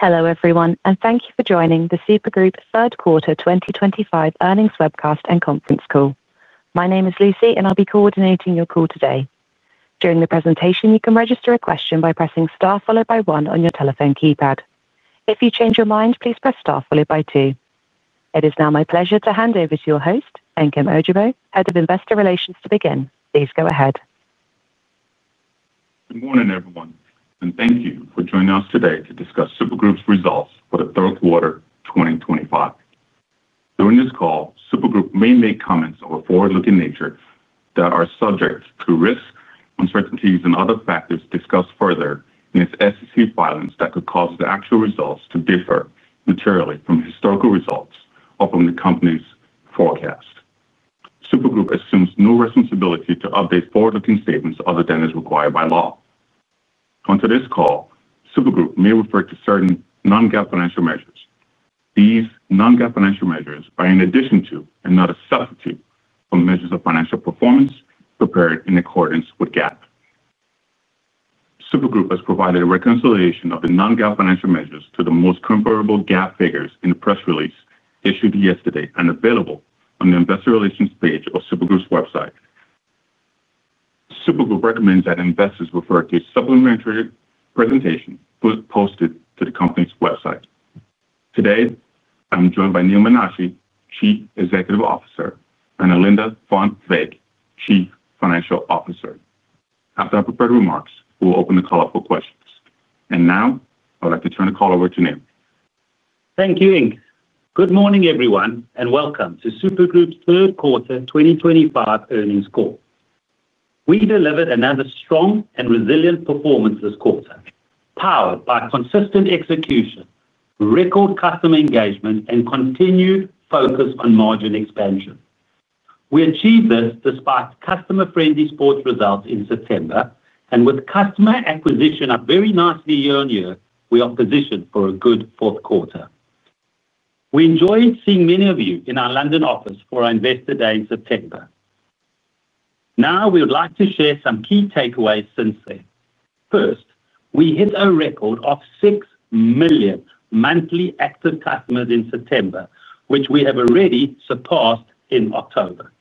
Hello everyone, and thank you for joining the Super Group third quarter 2025 earnings webcast and conference call. My name is Lucy, and I'll be coordinating your call today. During the presentation, you can register a question by pressing star followed by one on your telephone keypad. If you change your mind, please press star followed by two. It is now my pleasure to hand over to your host, Nkem Ojougboh, Head of Investor Relations, to begin. Please go ahead. Good morning, everyone, and thank you for joining us today to discuss Super Group's results for the third quarter 2025. During this call, Super Group may make comments of a forward-looking nature that are subject to risk, uncertainties, and other factors discussed further in its SEC filings that could cause the actual results to differ materially from historical results or from the company's forecast. Super Group assumes no responsibility to update forward-looking statements other than as required by law. On today's call, Super Group may refer to certain non-GAAP financial measures. These non-GAAP financial measures are in addition to and not a substitute for measures of financial performance prepared in accordance with GAAP. Super Group has provided a reconciliation of the non-GAAP financial measures to the most comparable GAAP figures in the press release issued yesterday and available on the Investor Relations page of Super Group's website. Super Group recommends that investors refer to a supplementary presentation posted to the company's website. Today, I'm joined by Neal Menashe, Chief Executive Officer, and Alinda Van Wyk, Chief Financial Officer. After our prepared remarks, we'll open the call for questions. And now, I'd like to turn the call over to Neal. Thank you, Nkem. Good morning, everyone, and welcome to Super Group's third quarter 2025 earnings call. We delivered another strong and resilient performance this quarter, powered by consistent execution, record customer engagement, and continued focus on margin expansion. We achieved this despite customer-friendly sports results in September, and with customer acquisition up very nicely year on year, we are positioned for a good fourth quarter. We enjoyed seeing many of you in our London office for our Investor Day in September. Now, we would like to share some key takeaways since then. First, we hit a record of 6 million monthly active customers in September, which we have already surpassed in October.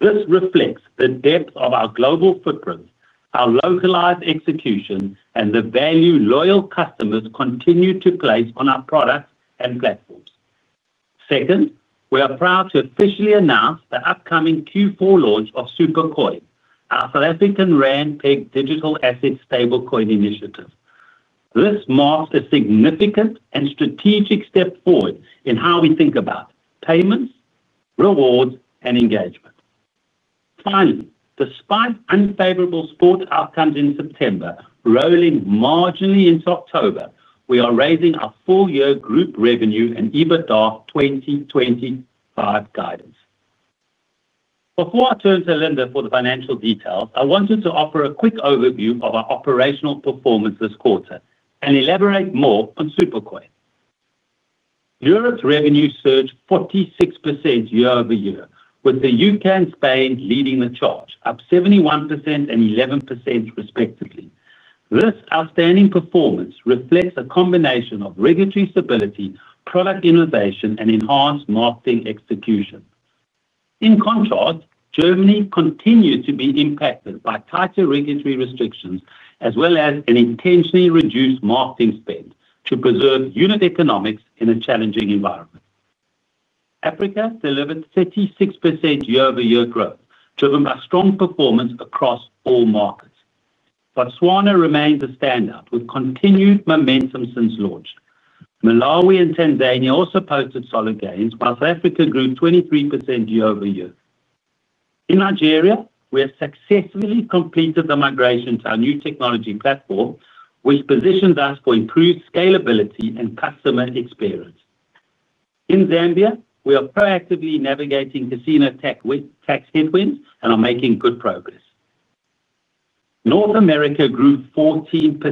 This reflects the depth of our global footprint, our localized execution, and the value loyal customers continue to place on our products and platforms. Second, we are proud to officially announce the upcoming Q4 launch of Super Coin, our South African rand-pegged digital asset stablecoin initiative. This marks a significant and strategic step forward in how we think about payments, rewards, and engagement. Finally, despite unfavorable sports outcomes in September rolling marginally into October, we are raising our full-year group revenue and EBITDA 2025 guidance. Before I turn to Alinda for the financial details, I wanted to offer a quick overview of our operational performance this quarter and elaborate more on Super Coin. Europe's revenue surged 46% year-over-year, with the U.K. and Spain leading the charge, up 71% and 11% respectively. This outstanding performance reflects a combination of regulatory stability, product innovation, and enhanced marketing execution. In contrast, Germany continued to be impacted by tighter regulatory restrictions, as well as an intentionally reduced marketing spend to preserve unit economics in a challenging environment. Africa delivered 36% year-over-year growth, driven by strong performance across all markets. Botswana remained a standout with continued momentum since launch. Malawi and Tanzania also posted solid gains, while South Africa grew 23% year-over-year. In Nigeria, we have successfully completed the migration to our new technology platform, which positions us for improved scalability and customer experience. In Zambia, we are proactively navigating casino tax headwinds and are making good progress. North America grew 14%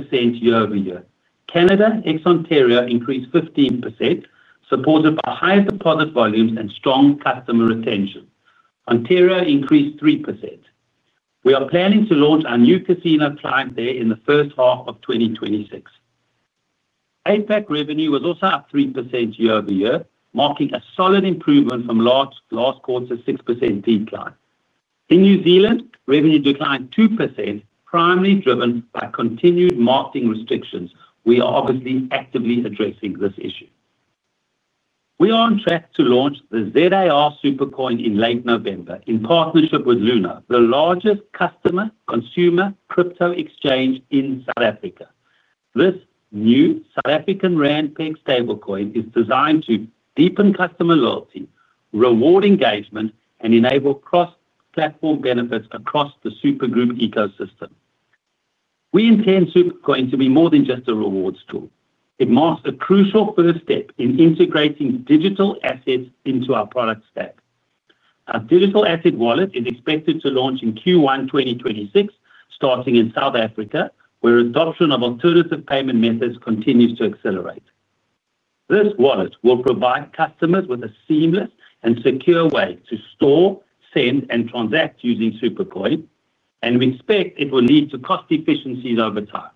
year-over-year. Canada ex-Ontario increased 15%, supported by higher deposit volumes and strong customer retention. Ontario increased 3%. We are planning to launch our new casino client there in the first half of 2026. APAC revenue was also up 3% year-over-year, marking a solid improvement from last quarter's 6% decline. In New Zealand, revenue declined 2%, primarily driven by continued marketing restrictions. We are obviously actively addressing this issue. We are on track to launch the ZAR Super Coin in late November in partnership with Luno, the largest customer-consumer crypto exchange in South Africa. This new South African rand-pegged stablecoin is designed to deepen customer loyalty, reward engagement, and enable cross-platform benefits across the Super Group ecosystem. We intend Super Coin to be more than just a rewards tool. It marks a crucial first step in integrating digital assets into our product stack. Our digital asset wallet is expected to launch in Q1 2026, starting in South Africa, where adoption of alternative payment methods continues to accelerate. This wallet will provide customers with a seamless and secure way to store, send, and transact using Super Coin, and we expect it will lead to cost efficiencies over time.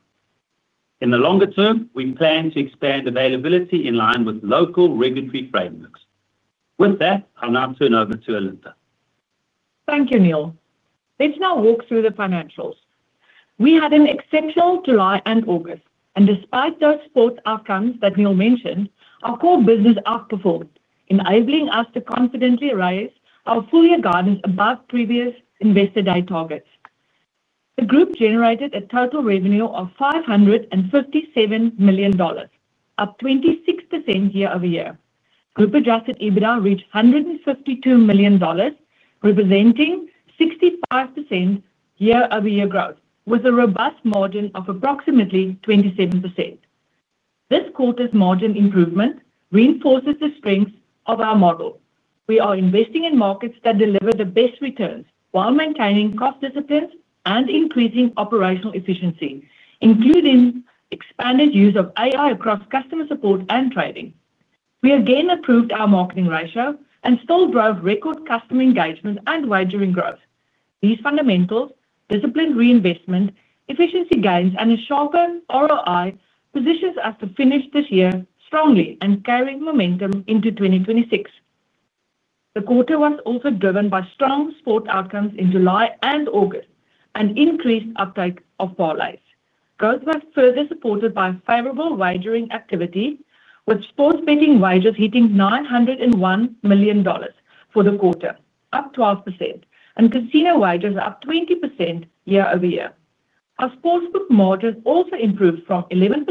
In the longer term, we plan to expand availability in line with local regulatory frameworks. With that, I'll now turn over to Alinda. Thank you, Neal. Let's now walk through the financials. We had an exceptional July and August, and despite those sports outcomes that Neal mentioned, our core business outperformed, enabling us to confidently raise our full-year guidance above previous Investor Day targets. The group generated a total revenue of $557 million, up 26% year-over-year. Group-adjusted EBITDA reached $152 million, representing 65% year-over-year growth, with a robust margin of approximately 27%. This quarter's margin improvement reinforces the strength of our model. We are investing in markets that deliver the best returns while maintaining cost disciplines and increasing operational efficiency, including expanded use of AI across customer support and trading. We again improved our marketing ratio and still drove record customer engagement and wagering growth. These fundamentals, disciplined reinvestment, efficiency gains, and a sharper ROI position us to finish this year strongly and carry momentum into 2026. The quarter was also driven by strong sports outcomes in July and August and increased uptake of parlays. Growth was further supported by favorable wagering activity, with sports betting wagers hitting $901 million for the quarter, up 12%, and casino wagers up 20% year-over-year. Our sports book margins also improved from 11%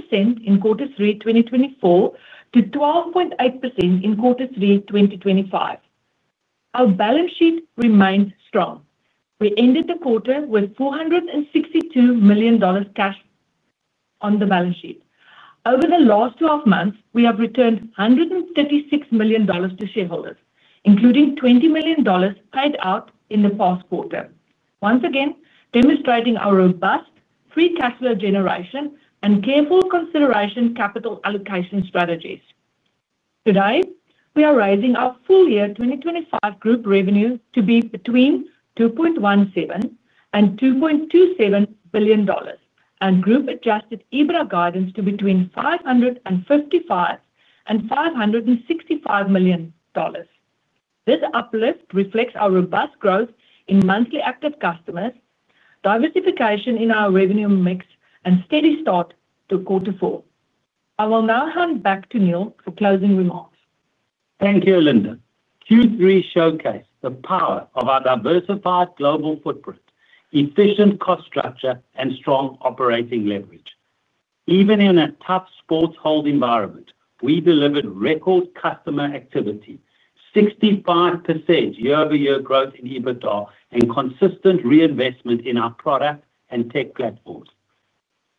in Q3 2024 to 12.8% in Q3 2025. Our balance sheet remained strong. We ended the quarter with $462 million cash on the balance sheet. Over the last 12 months, we have returned $136 million to shareholders, including $20 million paid out in the past quarter, once again demonstrating our robust free cash flow generation and careful consideration capital allocation strategies. Today, we are raising our full-year 2025 group revenue to be between $2.17 billion and $2.27 billion, and group-adjusted EBITDA guidance to between $555 million and $565 million. This uplift reflects our robust growth in monthly active customers, diversification in our revenue mix, and steady start to Q4. I will now hand back to Neal for closing remarks. Thank you, Alinda. Q3 showcased the power of our diversified global footprint, efficient cost structure, and strong operating leverage. Even in a tough sports hold environment, we delivered record customer activity, 65% year-over-year growth in EBITDA, and consistent reinvestment in our product and tech platforms.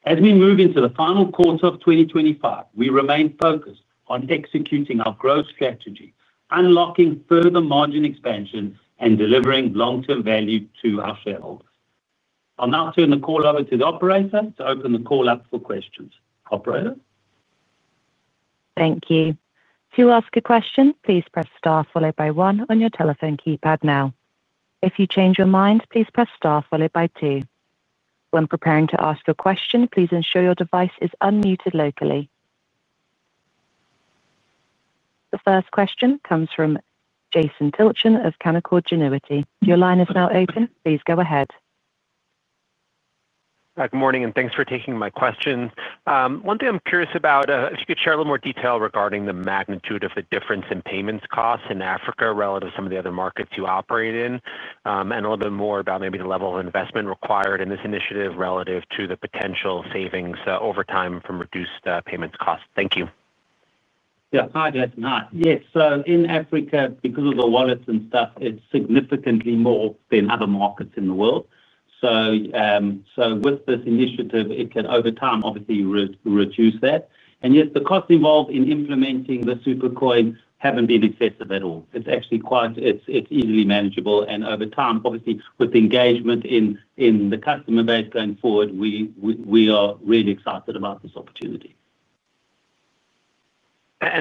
As we move into the final quarter of 2025, we remain focused on executing our growth strategy, unlocking further margin expansion, and delivering long-term value to our shareholders. I'll now turn the call over to the operator to open the call up for questions. Operator. Thank you. To ask a question, please press star followed by one on your telephone keypad now. If you change your mind, please press star followed by two. When preparing to ask a question, please ensure your device is unmuted locally. The first question comes from Jason Tilchen of Canaccord Genuity. Your line is now open. Please go ahead. Good morning, and thanks for taking my question. One thing I'm curious about, if you could share a little more detail regarding the magnitude of the difference in payments costs in Africa relative to some of the other markets you operate in, and a little bit more about maybe the level of investment required in this initiative relative to the potential savings over time from reduced payments costs. Thank you. Yeah, hi, Jason. Hi. Yes, so in Africa, because of the wallets and stuff, it's significantly more than other markets in the world. So. With this initiative, it can over time, obviously, reduce that. And yes, the costs involved in implementing the Super Coin haven't been excessive at all. It's actually quite. It's easily manageable. And over time, obviously, with the engagement in the customer base going forward, we are really excited about this opportunity.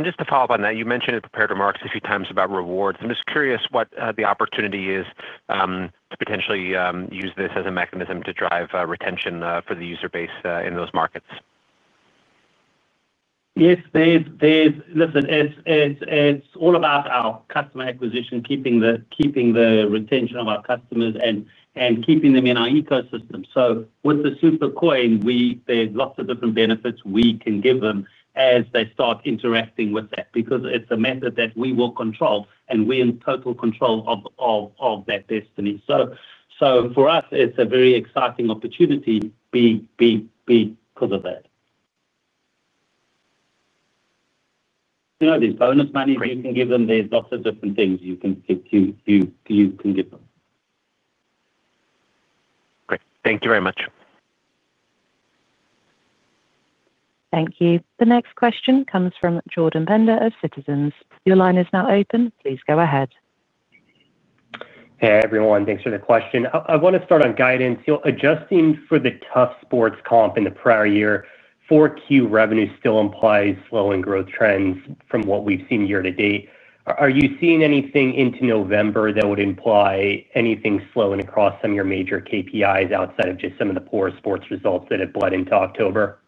Just to follow up on that, you mentioned it prepared remarks a few times about rewards. I'm just curious what the opportunity is. To potentially use this as a mechanism to drive retention for the user base in those markets. Yes, listen, it's all about our customer acquisition, keeping the retention of our customers, and keeping them in our ecosystem. So with the Super Coin, there's lots of different benefits we can give them as they start interacting with that, because it's a method that we will control, and we're in total control of that destiny. So for us, it's a very exciting opportunity. Because of that. You know, there's bonus money you can give them. There's lots of different things you can give them. Great. Thank you very much. Thank you. The next question comes from Jordan Bender of Citizens. Your line is now open. Please go ahead. Hey, everyone. Thanks for the question. I want to start on guidance. Adjusting for the tough sports comp in the prior year 4Q revenue still implies slowing growth trends from what we've seen year to date. Are you seeing anything into November that would imply anything slowing across some of your major KPIs outside of just some of the poor sports results that have bled into October?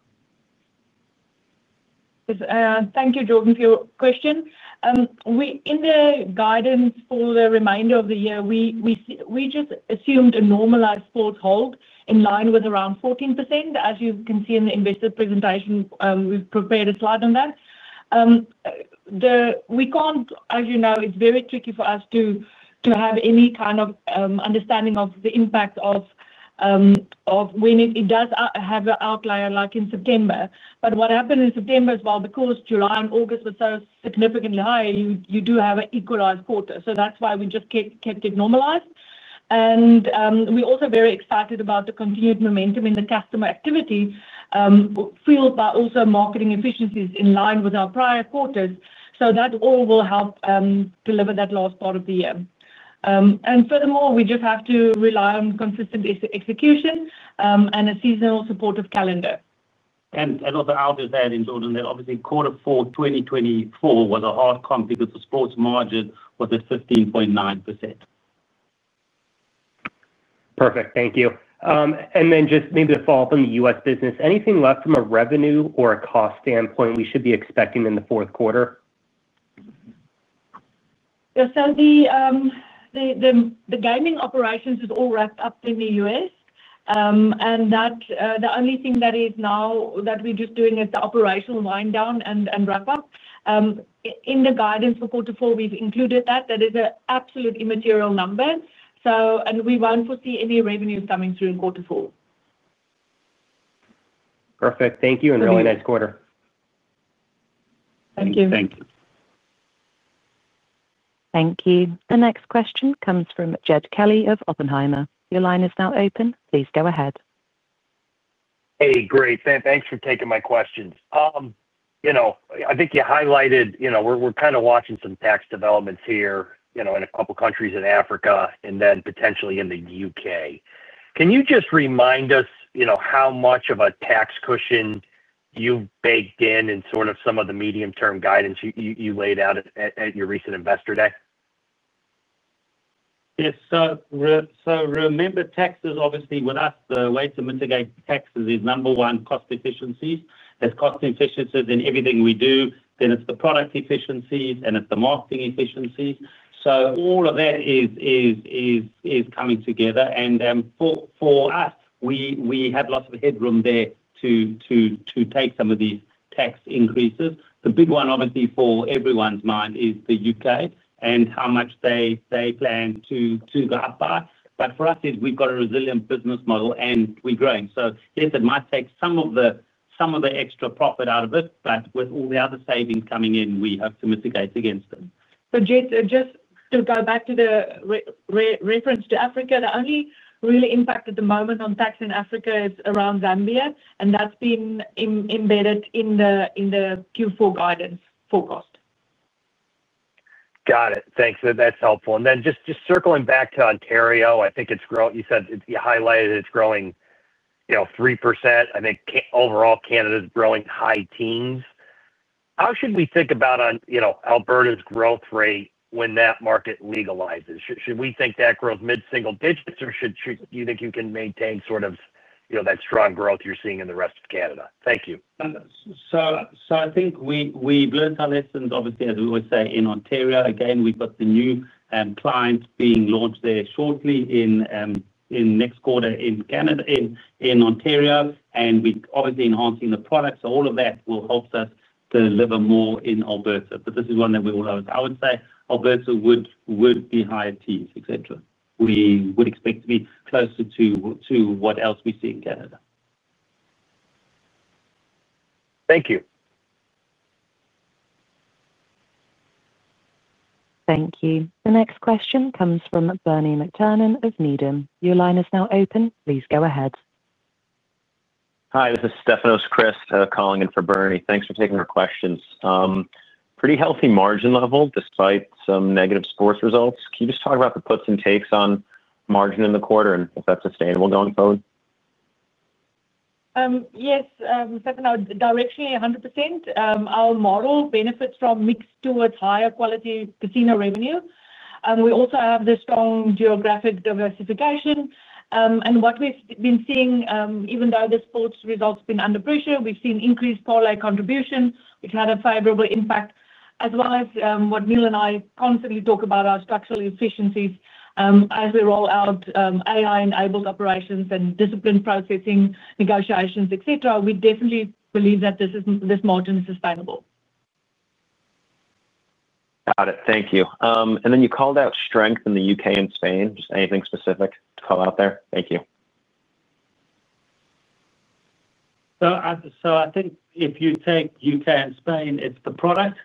Thank you, Jordan, for your question. In the guidance for the remainder of the year, we just assumed a normalized sports hold in line with around 14%, as you can see in the investor presentation. We've prepared a slide on that. We can't, as you know, it's very tricky for us to have any kind of understanding of the impact of it. When it does have an outlier like in September. But what happened in September is, while the holds in July and August were so significantly high, you do have an equalized quarter. So that's why we just kept it normalized. And we're also very excited about the continued momentum in the customer activity. Fueled by also marketing efficiencies in line with our prior quarters. So that all will help deliver that last part of the year. And furthermore, we just have to rely on consistent execution and a seasonal supportive calendar. And also, I'll just add in, Jordan, that obviously Q4 2024 was a hard comp because the sports margin was at 15.9%. Perfect. Thank you. And then just maybe a follow-up on the U.S. business. Anything left from a revenue or a cost standpoint we should be expecting in the fourth quarter? So the gaming operations is all wrapped up in the U.S. And the only thing that is now that we're just doing is the operational wind down and wrap up. In the guidance for Q4, we've included that. That is an absolutely material number. And we won't foresee any revenues coming through in Q4. Perfect. Thank you. And really nice quarter. Thank you. Thank you. Thank you. The next question comes from Jed Kelly of Oppenheimer. Your line is now open. Please go ahead. Hey, great. Thanks for taking my questions. I think you highlighted we're kind of watching some tax developments here in a couple of countries in Africa and then potentially in the U.K. Can you just remind us how much of a tax cushion you've baked in and sort of some of the medium-term guidance you laid out at your recent investor day? Yes. So remember, taxes, obviously, with us, the way to mitigate taxes is number one, cost efficiencies. There's cost efficiencies in everything we do. Then it's the product efficiencies, and it's the marketing efficiencies. So all of that is coming together. And for us, we had lots of headroom there to take some of these tax increases. The big one, obviously, for everyone's mind is the U.K. and how much they plan to go up by. But for us, we've got a resilient business model, and we're growing. So yes, it might take some of the extra profit out of it, but with all the other savings coming in, we have to mitigate against it. So just to go back to the reference to Africa, the only really impact at the moment on tax in Africa is around Zambia, and that's been embedded in the Q4 guidance forecast. Got it. Thanks. That's helpful. And then just circling back to Ontario, I think you said you highlighted it's growing 3%. I think overall, Canada is growing high teens. How should we think about Alberta's growth rate when that market legalizes? Should we think that growth mid-single digits, or do you think you can maintain sort of that strong growth you're seeing in the rest of Canada? Thank you. So I think we've learned our lessons, obviously, as we always say in Ontario. Again, we've got the new clients being launched there shortly in next quarter in Ontario, and obviously enhancing the products. So all of that will help us deliver more in Alberta. But this is one that we will always-I would say Alberta would be higher teens, etc. We would expect to be closer to what else we see in Canada. Thank you. Thank you. The next question comes from Bernie McTernan of Needham. Your line is now open. Please go ahead. Hi, this is Stefanos Christ calling in for Bernie. Thanks for taking our questions. Pretty healthy margin level despite some negative sports results. Can you just talk about the puts and takes on margin in the quarter and if that's sustainable going forward? Yes. Directionally, 100%. Our model benefits from mixed to higher quality casino revenue. We also have the strong geographic diversification. And what we've been seeing, even though the sports results have been under pressure, we've seen increased parlay contribution, which had a favorable impact, as well as what Neal and I constantly talk about, our structural efficiencies. As we roll out AI-enabled operations and discipline processing negotiations, etc., we definitely believe that this margin is sustainable. Got it. Thank you. And then you called out strength in the U.K. and Spain. Just anything specific to call out there? Thank you. So I think if you take U.K. and Spain, it's the product.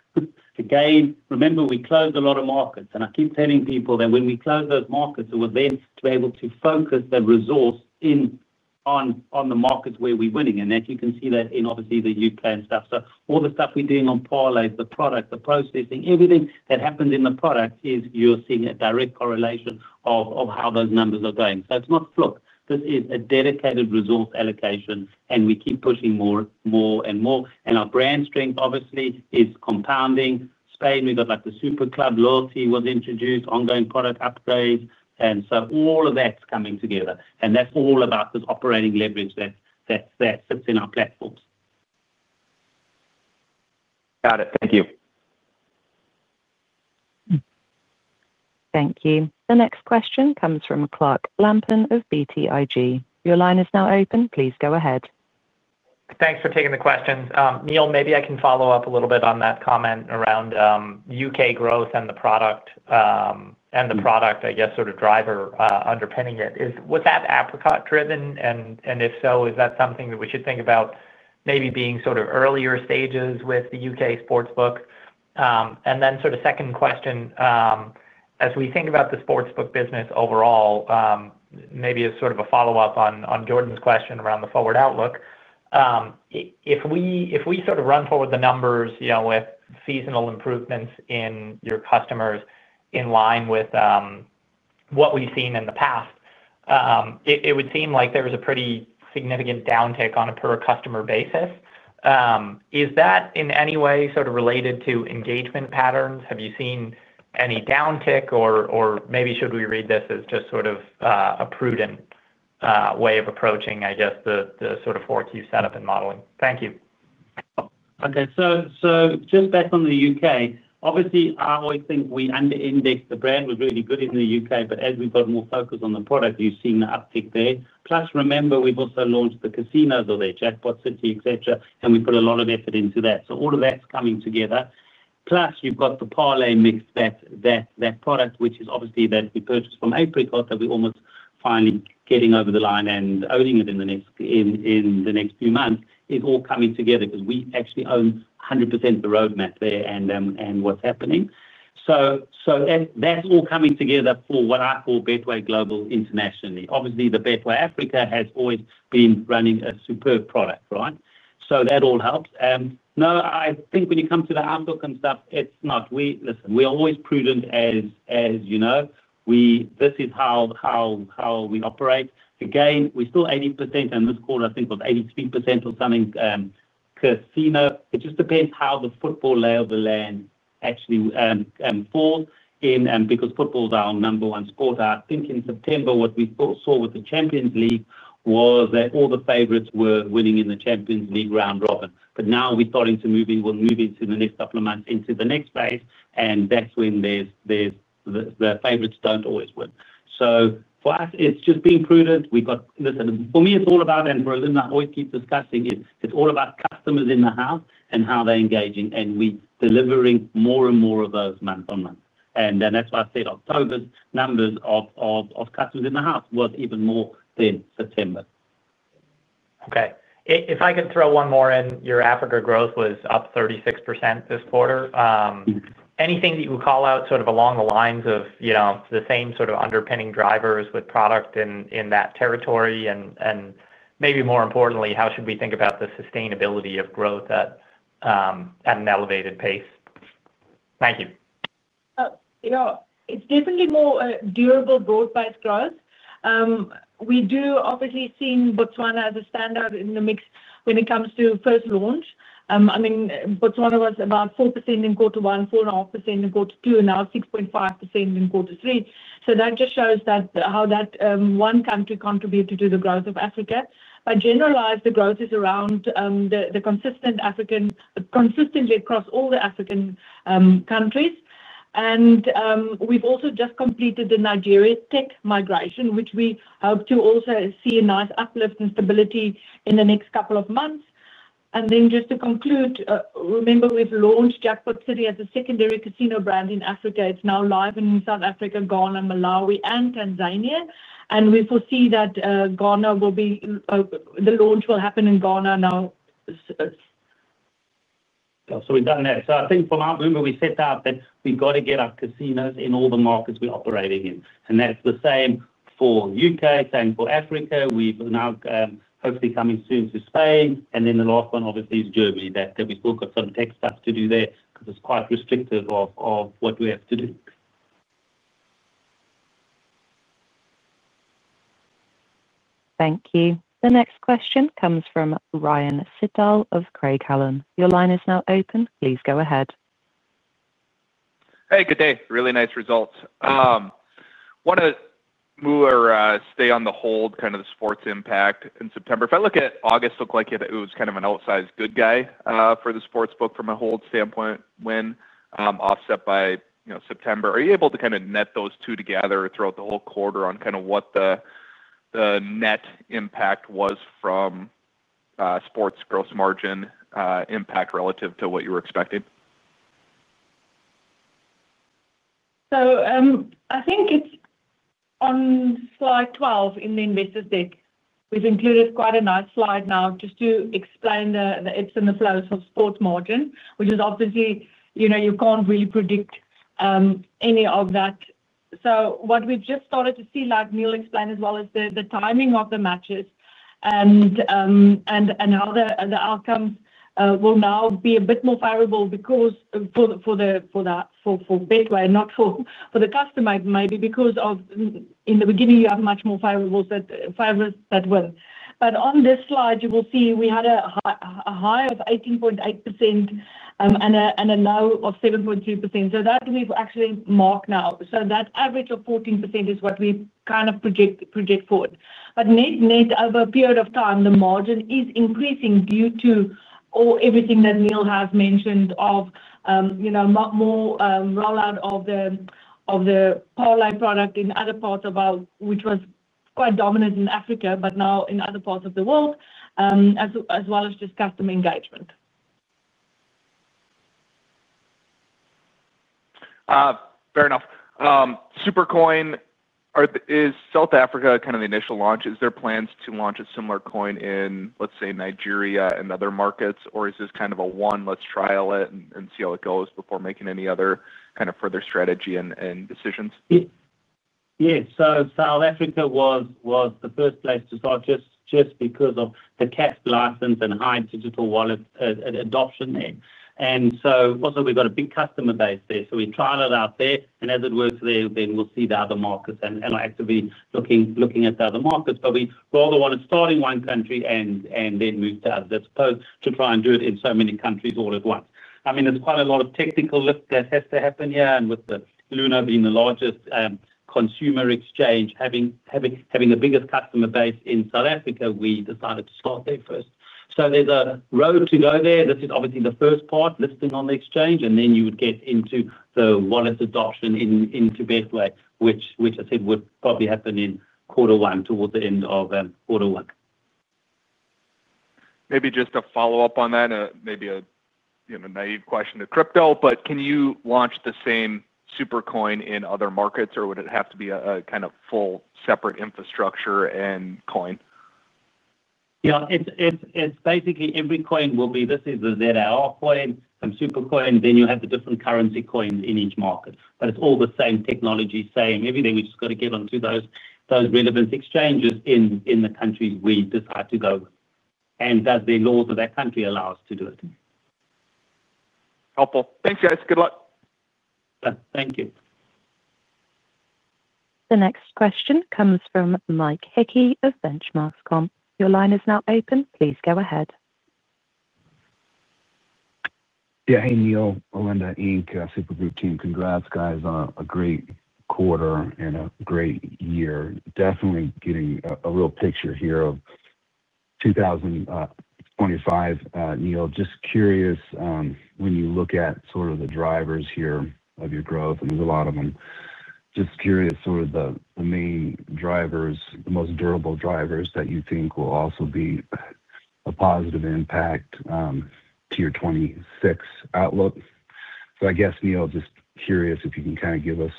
Again, remember, we close a lot of markets. And I keep telling people that when we close those markets, we're then to be able to focus the resource on the markets where we're winning. And you can see that in, obviously, the U.K. and stuff. So all the stuff we're doing on parlays, the product, the processing, everything that happens in the product is you're seeing a direct correlation of how those numbers are going. So it's not slop. This is a dedicated resource allocation, and we keep pushing more and more. And our brand strength, obviously, is compounding. Spain, we've got the Superclub loyalty was introduced, ongoing product upgrades. And so all of that's coming together. And that's all about the operating leverage that sits in our platforms. Got it. Thank you. Thank you. The next question comes from Clark Lampen of BTIG. Your line is now open. Please go ahead. Thanks for taking the questions. Neal, maybe I can follow up a little bit on that comment around U.K. growth and the product. And the product, I guess, sort of driver underpinning it. Was that Apricot-driven? And if so, is that something that we should think about maybe being sort of earlier stages with the U.K. sports book? And then sort of second question. As we think about the sports book business overall. Maybe as sort of a follow-up on Jordan's question around the forward outlook. If we sort of run forward the numbers with seasonal improvements in your customers in line with what we've seen in the past. It would seem like there was a pretty significant downtick on a per-customer basis. Is that in any way sort of related to engagement patterns? Have you seen any downtick, or maybe should we read this as just sort of a prudent way of approaching, I guess, the sort of 4Q setup and modeling? Thank you. Okay. So just back on the U.K., obviously, I always think we under-index the brand was really good in the U.K., but as we've got more focus on the product, you've seen the uptick there. Plus, remember, we've also launched the casinos or their Jackpot City, etc., and we put a lot of effort into that. So all of that's coming together. Plus, you've got the parlay mix that product, which is obviously that we purchased from Apricot, that we're almost finally getting over the line and owning it in the next few months, is all coming together because we actually own 100% of the roadmap there and what's happening. So. That's all coming together for what I call Betway Global internationally. Obviously, the Betway Africa has always been running a superb product, right? So that all helps. No, I think when you come to the outlook and stuff, it's not. Listen, we're always prudent, as you know. This is how. We operate. Again, we're still 80%, and this quarter, I think, was 83% or something. Casino. It just depends how the football lay of the land actually. Falls. Because football is our number one sport. I think in September, what we saw with the Champions League was that all the favorites were winning in the Champions League round-robin. But now we're starting to move into the next couple of months into the next phase, and that's when the favorites don't always win. So for us, it's just being prudent. Listen, for me, it's all about, and for Alinda, I always keep discussing, it's all about customers in the house and how they're engaging, and we're delivering more and more of those month on month, and that's why I said October's numbers of customers in the house was even more than September. Okay. If I could throw one more in, your Africa growth was up 36% this quarter. Anything that you would call out sort of along the lines of the same sort of underpinning drivers with product in that territory? And maybe more importantly, how should we think about the sustainability of growth at an elevated pace? Thank you. It's definitely more durable growth by itself. We do obviously see Botswana as a standout in the mix when it comes to first launch. I mean, Botswana was about 4% in quarter one, 4.5% in quarter two, and now 6.5% in quarter three. So that just shows how that one country contributed to the growth of Africa. But generalized, the growth is around the consistency across all the African countries. And we've also just completed the Nigeria tech migration, which we hope to also see a nice uplift and stability in the next couple of months. And then just to conclude, remember, we've launched Jackpot City as a secondary casino brand in Africa. It's now live in South Africa, Ghana, Malawi, and Tanzania. And we foresee that the launch will happen in Ghana now. So we've done that. So I think from our view, we set out that we've got to get our casinos in all the markets we're operating in. And that's the same for U.K., same for Africa. We're now hopefully coming soon to Spain. And then the last one, obviously, is Germany that we still got some tech stuff to do there because it's quite restrictive of what we have to do. Thank you. The next question comes from Ryan Sigdahl of Craig-Hallum. Your line is now open. Please go ahead. Hey, good day. Really nice results. Want to stay on the hold, kind of the sports impact in September. If I look at August, it looked like it was kind of an outsized good hold for the sports book from a hold standpoint win, offset by September. Are you able to kind of net those two together throughout the whole quarter on kind of what the net impact was from sports gross margin impact relative to what you were expecting? So I think it's on slide 12 in the investor deck, we've included quite a nice slide now just to explain the ebbs and flows of sports margin, which is obviously you can't really predict any of that. So what we've just started to see, like Neal explained as well, is the timing of the matches and the outcomes will now be a bit more favorable for Betway, not for the customer, maybe because in the beginning, you have much more favorables that will. But on this slide, you will see we had a high of 18.8% and a low of 7.3%. So that we've actually marked now so that average of 14% is what we kind of project forward. But over a period of time, the margin is increasing due to everything that Neal has mentioned of more rollout of the parlay product in other parts of our, which was quite dominant in Africa, but now in other parts of the world as well as just customer engagement. Fair enough. Super Coin. Is South Africa kind of the initial launch? Is there plans to launch a similar coin in, let's say, Nigeria and other markets? Or is this kind of a one, let's trial it and see how it goes before making any other kind of further strategy and decisions? Yeah. So South Africa was the first place to start just because of the capped license and high digital wallet adoption there. And so also we've got a big customer base there. So we trial it out there. And as it works there, then we'll see the other markets and actively looking at the other markets. But we rather want to start in one country and then move to others, I suppose, to try and do it in so many countries all at once. I mean, there's quite a lot of technical lift that has to happen here. And with Luno being the largest consumer exchange, having the biggest customer base in South Africa, we decided to start there first. So there's a road to go there. This is obviously the first part, listing on the exchange, and then you would get into the wallet adoption into Betway, which I said would probably happen in quarter one, towards the end of quarter one. Maybe just a follow-up on that, and maybe a naive question to crypto, but can you launch the same Super Coin in other markets, or would it have to be a kind of full separate infrastructure and coin? Yeah. It's basically every coin will be this is the ZAR coin, our Super Coin, then you have the different currency coins in each market. But it's all the same technology, same everything. We just got to get onto those relevant exchanges in the countries we decide to go, and does the laws of that country allow us to do it? Helpful. Thanks, guys. Good luck. Thank you. The next question comes from Mike Hickey of Benchmark Company. Your line is now open. Please go ahead. Yeah. Neal, Alinda, and the Super Group team. Congrats, guys. A great quarter and a great year. Definitely getting a real picture here of 2025. Neal, just curious, when you look at sort of the drivers here of your growth, and there's a lot of them, just curious sort of the main drivers, the most durable drivers that you think will also be a positive impact to your 2026 outlook. So I guess, Neal, just curious if you can kind of give us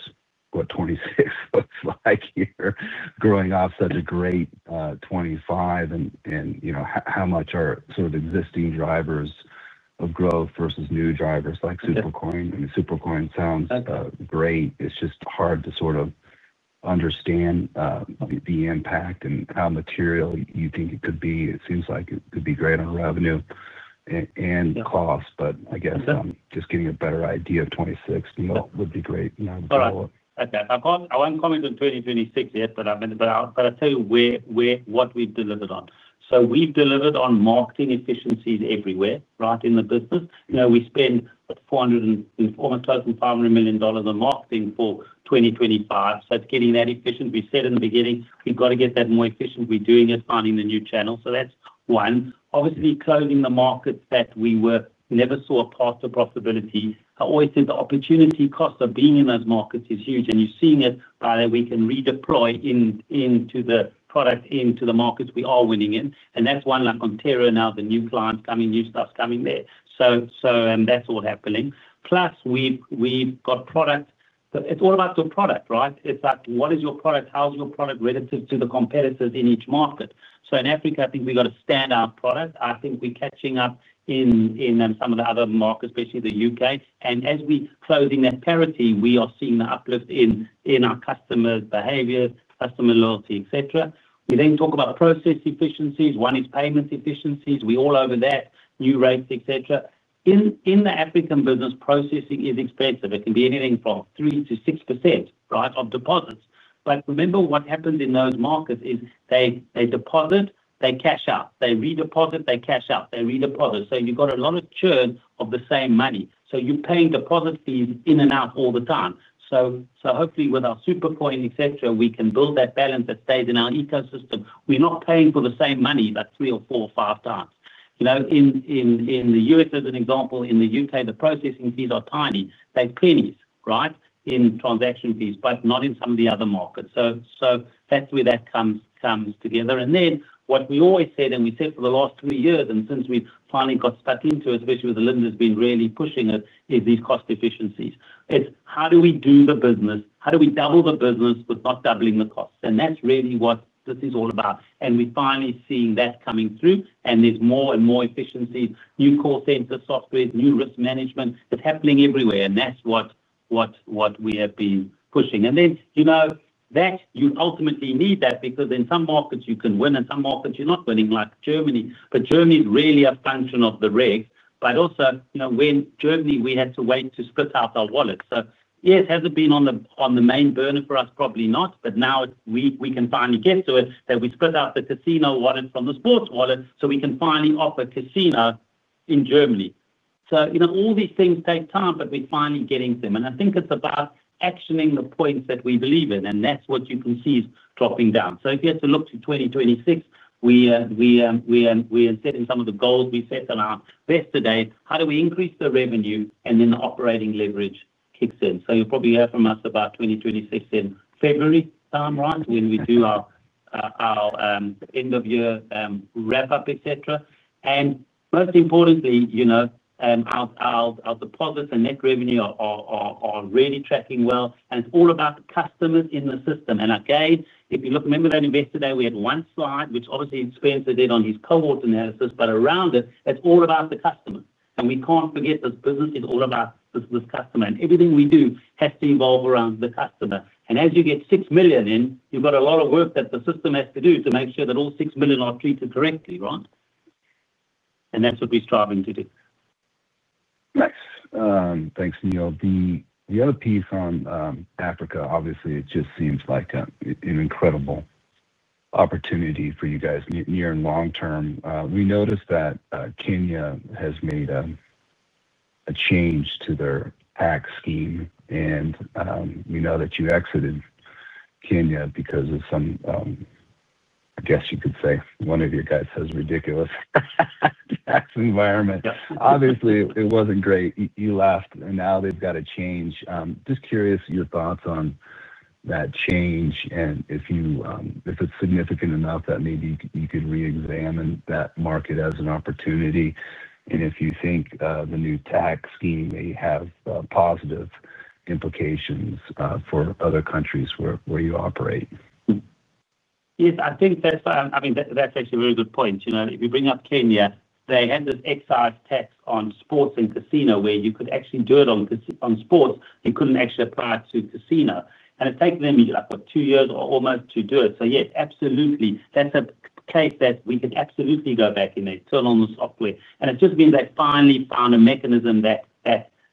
what 2026 looks like here, growing off such a great 2025, and how much are sort of existing drivers of growth versus new drivers like Super Coin? I mean, Super Coin sounds great. It's just hard to sort of understand the impact and how material you think it could be. It seems like it could be great on revenue and cost, but I guess just getting a better idea of 2026, Neal, would be great. I won't comment on 2026 yet, but I'll tell you what we've delivered on. So we've delivered on marketing efficiencies everywhere, right, in the business. We spent $400 million-$500 million on marketing for 2025. So it's getting that efficient. We said in the beginning, we've got to get that more efficient. We're doing it, finding the new channels. So that's one. Obviously, closing the markets that we never saw a path to profitability. I always think the opportunity cost of being in those markets is huge. And you're seeing it by the way we can redeploy into the product, into the markets we are winning in. And that's one like Ontario now, the new clients coming, new stuff's coming there. And that's all happening. Plus, we've got product. It's all about the product, right? It's like, what is your product? How is your product relative to the competitors in each market? So in Africa, I think we've got a standout product. I think we're catching up in some of the other markets, especially the U.K. And as we're closing that parity, we are seeing the uplift in our customer behavior, customer loyalty, etc. We then talk about process efficiencies. One is payment efficiencies. We're all over that, new rates, etc. In the African business, processing is expensive. It can be anything from 3%-6%, right, of deposits. But remember, what happens in those markets is they deposit, they cash out. They redeposit, they cash out. They redeposit. So you've got a lot of churn of the same money. So you're paying deposit fees in and out all the time. So hopefully, with our Super Coin, etc., we can build that balance that stays in our ecosystem. We're not paying for the same money like three or four or five times. In the U.S., as an example, in the U.K., the processing fees are tiny. They're pennies, right, in transaction fees, but not in some of the other markets. So that's where that comes together. And then what we always said, and we said for the last three years, and since we finally got stuck into it, especially with Alinda's been really pushing it, is these cost efficiencies. It's how do we do the business? How do we double the business with not doubling the costs? And that's really what this is all about. And we're finally seeing that coming through. And there's more and more efficiencies, new call center software, new risk management. It's happening everywhere. And that's what we have been pushing. And then you ultimately need that because in some markets, you can win. In some markets, you're not winning, like Germany. But Germany is really a function of the regs. But also, when Germany, we had to wait to split out our wallets. So yes, has it been on the main burner for us? Probably not. But now we can finally get to it that we split out the casino wallet from the sports wallet so we can finally offer casino in Germany. So all these things take time, but we're finally getting to them. And I think it's about actioning the points that we believe in. And that's what you can see is dropping down. So if you have to look to 2026, we are setting some of the goals we set around yesterday. How do we increase the revenue? And then the operating leverage kicks in. So you'll probably hear from us about 2026 in February, timeline, when we do our end-of-year wrap-up, etc. And most importantly, our deposits and net revenue are really tracking well. And it's all about the customers in the system. And again, if you look, remember that investor day, we had one slide, which obviously Spencer did on his cohort analysis. But around it, it's all about the customer. And we can't forget this business is all about this customer. And everything we do has to evolve around the customer. And as you get 6 million in, you've got a lot of work that the system has to do to make sure that all 6 million are treated correctly, right? And that's what we're striving to do. Nice. Thanks, Neal. The other piece on Africa, obviously, it just seems like an incredible opportunity for you guys near and long term. We noticed that Kenya has made a change to their tax scheme. And we know that you exited Kenya because of some, I guess you could say, one of your guys has ridiculous tax environment. Obviously, it wasn't great. You left. And now they've got a change. Just curious your thoughts on that change and if it's significant enough that maybe you could re-examine that market as an opportunity. And if you think the new tax scheme may have positive implications for other countries where you operate. Yes, I think that's, I mean, that's actually a very good point. If you bring up Kenya, they had this excise tax on sports and casino where you could actually do it on sports. You couldn't actually apply to casino, and it's taken them like two years or almost to do it. So yes, absolutely. That's a case that we can absolutely go back and turn on the software, and it's just means they finally found a mechanism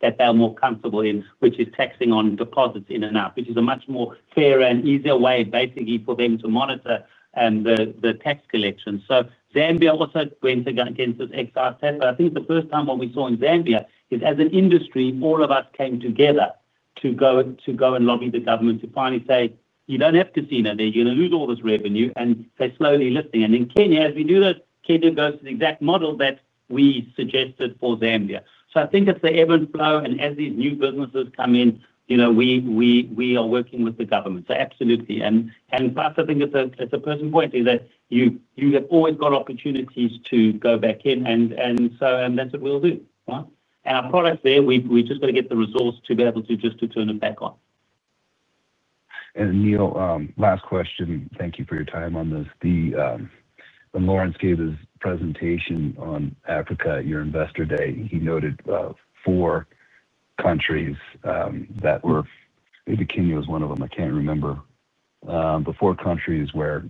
that they're more comfortable in, which is taxing on deposits in and out, which is a much more fair and easier way, basically, for them to monitor the tax collection. So Zambia also went against this excise tax. But I think the first time what we saw in Zambia is, as an industry, all of us came together to go and lobby the government to finally say, "You don't have casino there. You're going to lose all this revenue," and they're slowly lifting, and in Kenya, as we do that, Kenya goes to the exact model that we suggested for Zambia. So I think it's the ebb and flow, and as these new businesses come in, we are working with the government. So absolutely, and plus, I think it's a personal point is that you have always got opportunities to go back in, and so that's what we'll do, and our products there, we've just got to get the resource to be able to just turn them back on. And Neal, last question. Thank you for your time on this. When Lawrence gave his presentation on Africa at your Investor Day, he noted four countries that were maybe Kenya was one of them. I can't remember. The four countries where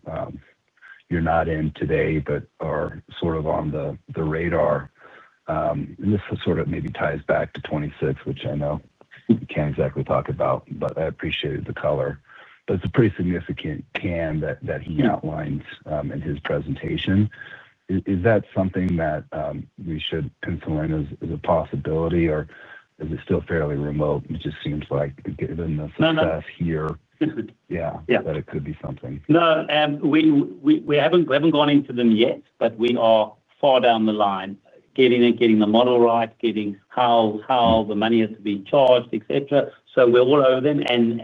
you're not in today but are sort of on the radar. And this sort of maybe ties back to 2026, which I know we can't exactly talk about, but I appreciate the color. But it's a pretty significant plan that he outlines in his presentation. Is that something that we should pencil in as a possibility, or is it still fairly remote? It just seems like given the success here, yeah, that it could be something. No. We haven't gone into them yet, but we are far down the line, getting the model right, getting how the money is to be charged, etc. So we're all over them. And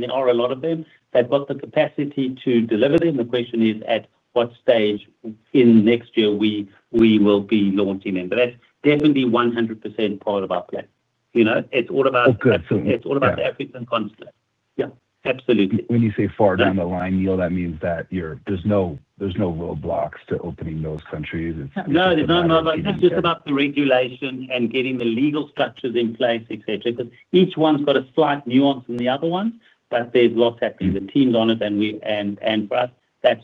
there are a lot of them. They've got the capacity to deliver them. The question is, at what stage in next year we will be launching them. But that's definitely 100% part of our plan. It's all about. Oh, good. Absolutely. It's all about the African continent. Yeah. Absolutely. When you say far down the line, Neal, that means that there's no roadblocks to opening those countries? No, there's no roadblocks. It's just about the regulation and getting the legal structures in place, etc., because each one's got a slight nuance in the other ones, but there's lots happening. The team's on it. And for us, that's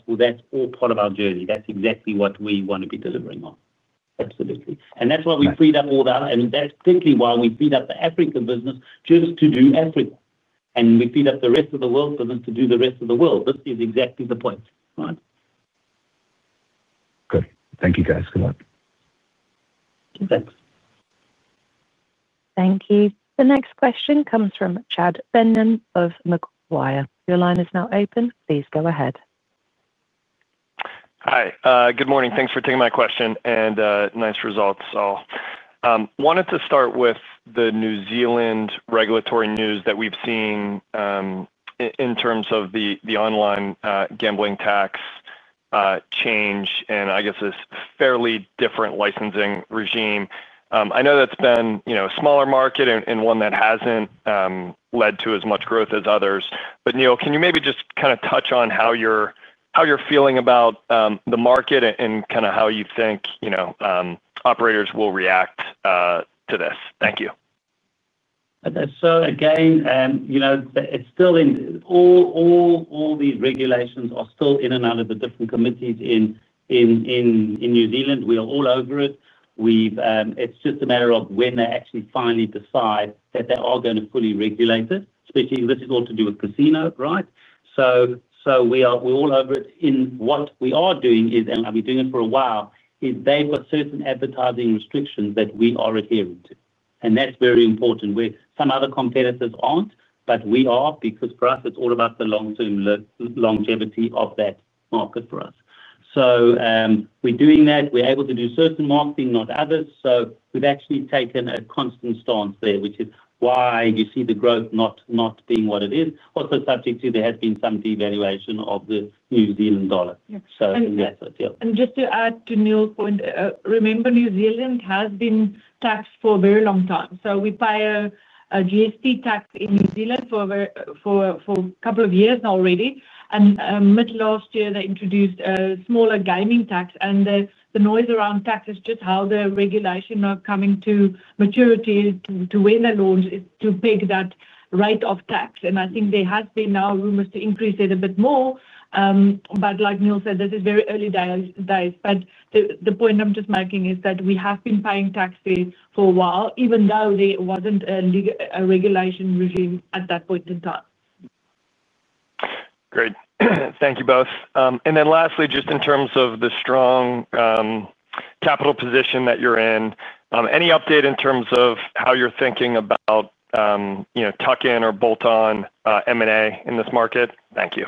all part of our journey. That's exactly what we want to be delivering on. Absolutely. And that's why we freed up all the other and that's simply why we freed up the Africa business just to do Africa. And we freed up the rest of the world business to do the rest of the world. This is exactly the point, right? Good. Thank you, guys. Good luck. Thanks. Thank you. The next question comes from Chad Beynon of Macquarie. Your line is now open. Please go ahead. Hi. Good morning. Thanks for taking my question and nice results, all. Wanted to start with the New Zealand regulatory news that we've seen. In terms of the online gambling tax change and I guess this fairly different licensing regime. I know that's been a smaller market and one that hasn't led to as much growth as others. But Neal, can you maybe just kind of touch on how you're feeling about the market and kind of how you think operators will react to this? Thank you. So again, it's still all these regulations are still in and out of the different committees in New Zealand. We are all over it. It's just a matter of when they actually finally decide that they are going to fully regulate it, especially if this is all to do with casino, right? So we're all over it. What we are doing is, and we've been doing it for a while, is they've got certain advertising restrictions that we are adhering to. And that's very important, where some other competitors aren't, but we are because for us, it's all about the longevity of that market for us. So we're doing that. We're able to do certain marketing, not others. So we've actually taken a constant stance there, which is why you see the growth not being what it is. Also, subject to there has been some devaluation of the New Zealand dollar. So that's it. Yeah. And just to add to Neal's point, remember, New Zealand has been taxed for a very long time. So we pay a GST tax in New Zealand for a couple of years already. And mid-last year, they introduced a smaller gaming tax. And the noise around tax is just how the regulations are coming to maturity when the laws is to pick that rate of tax. And I think there has been now rumors to increase it a bit more. But like Neal said, this is very early days. But the point I'm just making is that we have been paying taxes for a while, even though there wasn't a regulation regime at that point in time. Great. Thank you both. And then lastly, just in terms of the strong capital position that you're in, any update in terms of how you're thinking about tuck-in or bolt-on M&A in this market? Thank you.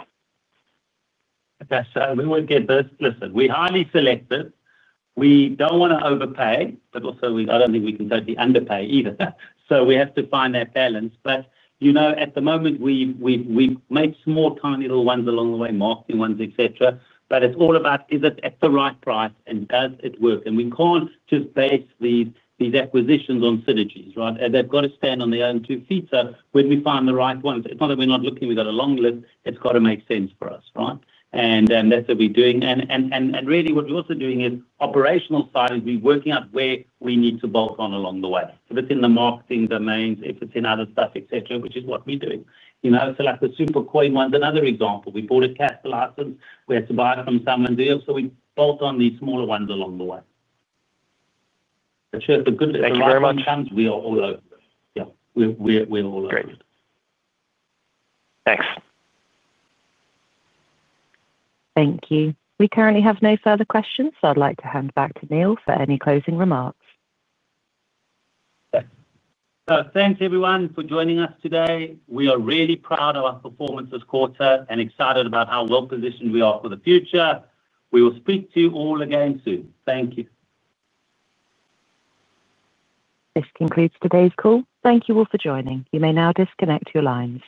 We would get this. Listen, we're highly selective. We don't want to overpay, but also, I don't think we can totally underpay either. So we have to find that balance. But at the moment, we've made small tiny little ones along the way, marketing ones, etc. But it's all about, is it at the right price, and does it work? And we can't just base these acquisitions on synergies, right? They've got to stand on their own two feet. So when we find the right ones, it's not that we're not looking. We've got a long list. It's got to make sense for us, right? And that's what we're doing. And really, what we're also doing is operational side, is we're working out where we need to bolt on along the way. If it's in the marketing domains, if it's in other stuff, etc., which is what we're doing. So like the Super Coin ones, another example, we bought at Castle Island. We had to buy from someone else. So we bolt on these smaller ones along the way. Thank you very much. As long as the time comes, we are all over it. Yeah. We're all over it. Great. Thanks. Thank you. We currently have no further questions, so I'd like to hand back to Neal for any closing remarks. Thanks, everyone, for joining us today. We are really proud of our performance this quarter and excited about how well-positioned we are for the future. We will speak to you all again soon. Thank you. This concludes today's call. Thank you all for joining. You may now disconnect your lines.